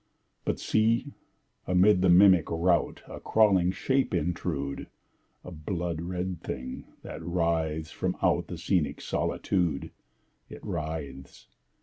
But see, amid the mimic rout A crawling shape intrude! A blood red thing that writhes from out The scenic solitude! It writhes!